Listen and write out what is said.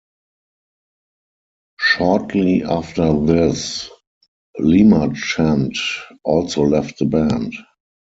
Shortly after this, Lemarchand also left the band.